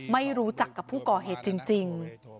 ไม่รู้จักกับผู้ก่อเหตุจริง